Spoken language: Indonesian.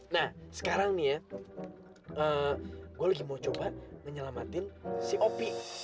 nah sekarang nih ya gue lagi mau coba nyelamatin si op